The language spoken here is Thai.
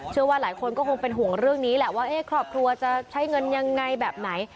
เชื่อว่าหลายคนก็คงเป็นห่วงเรื่องนี้แหละว่าครอบครัวจะใช้เงินยังไงแบบไหน